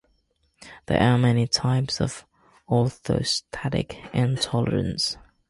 There are many types of orthostatic intolerance.